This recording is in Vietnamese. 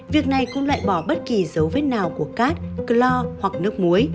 việc này cũng loại bỏ bất kỳ dấu vết nào của cát chlor hoặc nước muối